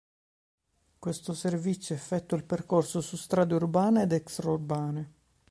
Questo servizio effettua il percorso su strade urbane ed extra-urbane.